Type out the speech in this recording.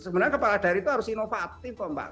sebenarnya kepala daerah itu harus inovatif kok mbak